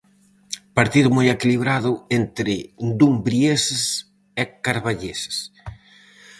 Partido moi equilibrado entre dumbrieses e carballeses.